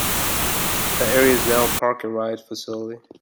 That area is now a Park and Ride facility.